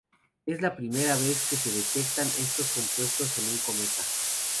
Es la primera vez que se detectan estos compuestos en un cometa.